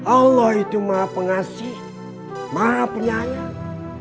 allah itu maha pengasih maha penyayang